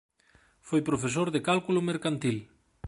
Foi profesor de cálculo mercantil.